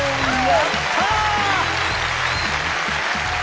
やった！